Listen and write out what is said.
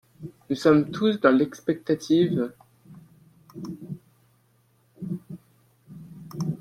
Nous sommes tous dans l’expectative